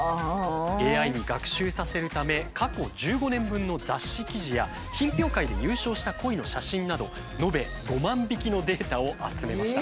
ＡＩに学習させるため過去１５年分の雑誌記事や品評会で優勝したコイの写真など延べ５万匹のデータを集めました。